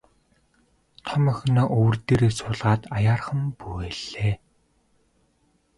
Том охиноо өвөр дээрээ суулгаад аяархан бүүвэйллээ.